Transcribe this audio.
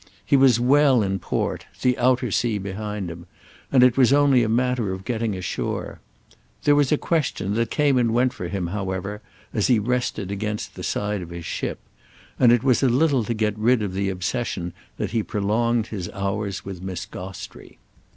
He was well in port, the outer sea behind him, and it was only a matter of getting ashore. There was a question that came and went for him, however, as he rested against the side of his ship, and it was a little to get rid of the obsession that he prolonged his hours with Miss Gostrey.